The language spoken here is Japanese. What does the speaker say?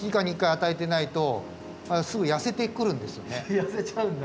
であの痩せちゃうんだ。